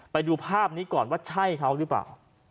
ไปดูภาพนี้ก่อนว่าใช่เขาหรือเปล่า